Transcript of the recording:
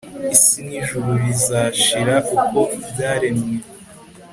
isi n'ijuru bizashira, uko byaremwe